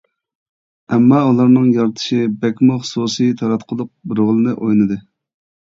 ئەمما ئۇلارنىڭ يارىتىشى بەكمۇ خۇسۇسىي تاراتقۇلۇق رولنى ئوينىدى.